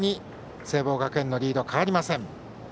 聖望学園のリード、変わりません。